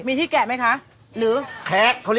๕ปีแต่เป็นสูตรเก่า